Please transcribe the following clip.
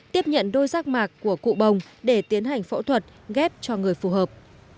tiếp nhận đôi giác mạc của cụ bồng để tiến hành phẫu thuật ghép cho người phù hợp